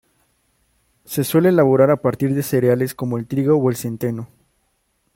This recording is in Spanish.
Se suele elaborar a partir de cereales como el trigo o el centeno.